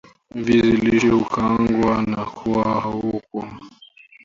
vizi lishe hukaangwa na kuwa kaukau